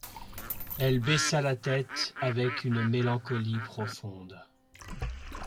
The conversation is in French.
Elle baissa la tête avec une mélancolie profonde.